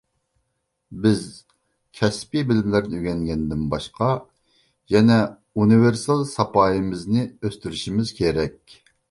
بىز كەسپىي بىلىملەرنى ئۆگەنگەندىن باشقا يەنە ئۇنىۋېرسال ساپايىمىزنى ئۆستۈرۈشىمىز كېرەك.